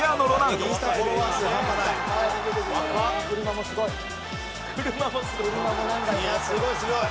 「家もすごい」